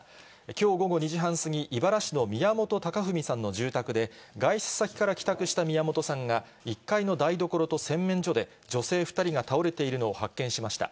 きょう午後２時半過ぎ、井原市の宮本隆文さんの住宅で、外出先から帰宅した宮本さんが、１階の台所と洗面所で、女性２人が倒れているのを発見しました。